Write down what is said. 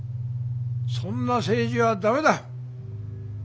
そんな政治は駄目だ。